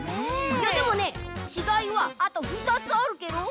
いやでもねちがいはあと２つあるケロ。